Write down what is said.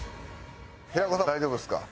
平子さん大丈夫ですか？